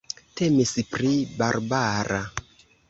Temis pri Barbara.